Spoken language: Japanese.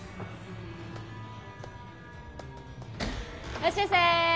いらっしゃいませ！